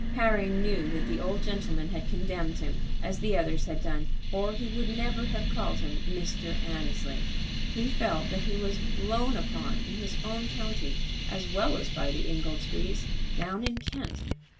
Harry knew that the old man had condemned him as the others had done, or he would never have called him Mr. Annesley. He felt that he was "blown upon" in his own county, as well as by the Ingoldsbys down in Kent.